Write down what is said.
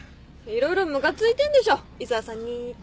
色々ムカついてんでしょ井沢さんに。